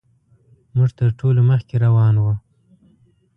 موږ تر ټولو مخکې روان وو.